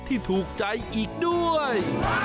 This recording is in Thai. ที่ถูกใจอีกด้วย